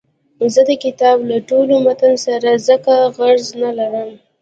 زه د کتاب له ټول متن سره ځکه غرض نه لرم.